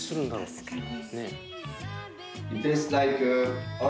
確かに。